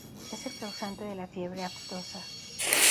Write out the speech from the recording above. Es el causante de la fiebre aftosa.